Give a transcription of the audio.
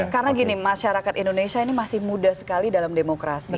karena gini masyarakat indonesia ini masih muda sekali dalam demokrasi